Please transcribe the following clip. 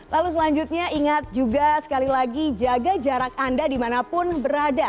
lalu selanjutnya ingat juga sekali lagi jaga jarak anda dimanapun berada